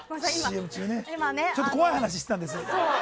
ＣＭ中にちょっと怖い話してたんです。